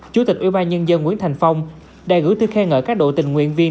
chủ tịch ubnd nguyễn thành phong đã gửi thư khen ngợi các đội tình nguyện viên